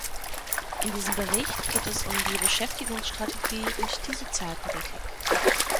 In diesem Bericht geht es um die Beschäftigungsstrategie und die Sozialpolitik.